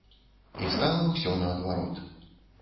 І стала ўсё наадварот.